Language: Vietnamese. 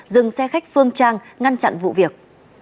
dừng xe khách phương trang ngăn chặn vụ việc